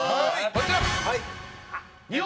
こちら！